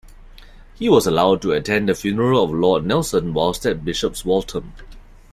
He was allowed to attend the funeral of Lord Nelson whilst at Bishop's Waltham.